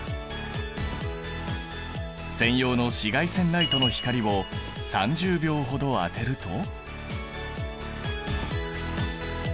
専用の紫外線ライトの光を３０秒ほど当てると。